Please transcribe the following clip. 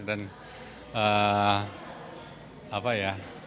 dan apa ya